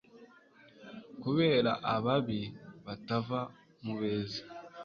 kubera ababi batava mu beza